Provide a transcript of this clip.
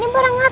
ini borang aku